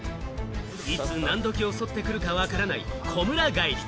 いつ何どき襲ってくるかわからないこむら返り。